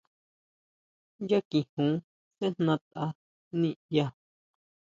Yá kijun sejna tʼa niʼya.